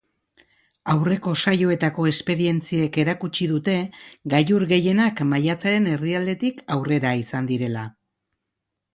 Aurreko saioetako esperientziek erakutsi dute gailur gehienak maiatzaren erdialdetik aurrera izan direla.